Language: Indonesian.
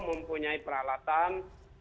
kami mempunyai peralatan